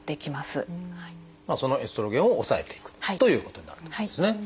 そのエストロゲンを抑えていくということになるってことですね。